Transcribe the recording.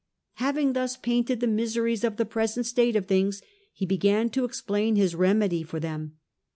Having thus painted the miseries of the present state of things, he began to explain his remedy for them.